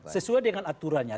sesuai dengan aturannya